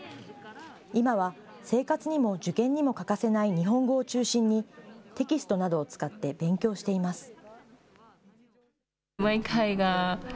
今は生活にも受験にも欠かせない日本語を中心にテキストなどを使って勉強しています。